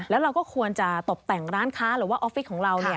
แล้วเราก็ควรจะตบแต่งร้านค้าหรือว่าออฟฟิศของเรา